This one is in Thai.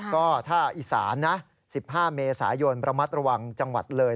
ก็ถ้าอีสานนะ๑๕เมษายนระมัดระวังจังหวัดเลย